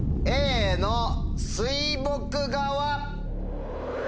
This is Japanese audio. Ａの水墨画は。